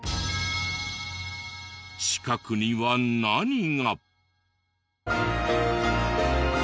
近くには何が？